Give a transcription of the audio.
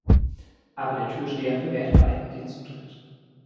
Aber der Türsteher verwehrte beiden den Zutritt.